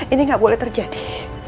ini gak boleh terjadi